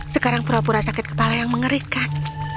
sekarang pura pura sakit kepala yang mengerikan